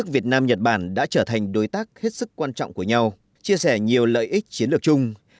việt nam nhật bản đã trở thành đối tác hết sức quan trọng của nhau chia sẻ nhiều lợi ích chiến lược chung